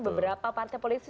beberapa partai polisi